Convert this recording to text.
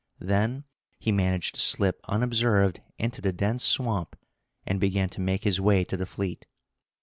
Then he managed to slip unobserved into the dense swamp, and began to make his way to the fleet.